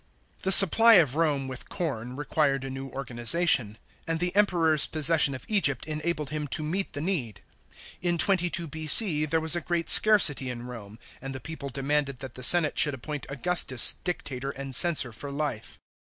The supply of Rome with corn required a new organisation; and the Emperor's possession of Egypt enabled him to meet the need. In 22 B.C. there was a great scarcity in Rome, and the people demanded that the senate should appoint Augustus dictator and censor for life.